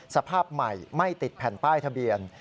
สภาพใหม่ไม่ติดแผ่นป้ายทะเบียน